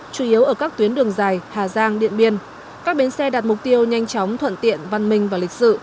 chủ yếu ở các tuyến đường dài hà giang điện biên các bến xe đạt mục tiêu nhanh chóng thuận tiện văn minh và lịch sự